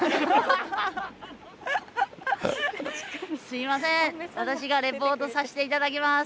すいません私がレポートさして頂きます。